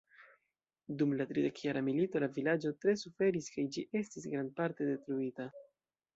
Dum la tridekjara milito la vilaĝo tre suferis kaj ĝi estis grandparte detruita.